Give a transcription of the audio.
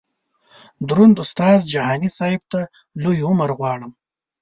دروند استاد جهاني صیب ته لوی عمر غواړم.